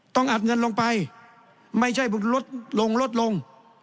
อัดเงินลงไปไม่ใช่ลดลงลดลง